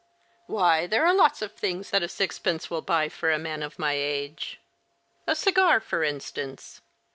Why, there are lots of things that six pence will buy for a man of my age. A cigar, for instance."